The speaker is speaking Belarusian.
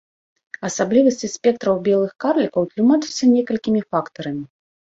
Асаблівасці спектраў белых карлікаў тлумачацца некалькімі фактарамі.